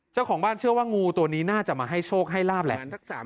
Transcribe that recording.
เจ้าของบ้านเชื่อว่างูตัวนี้น่าจะมาให้โชคให้ลาบแหละ